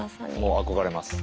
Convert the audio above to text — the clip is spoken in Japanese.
憧れます。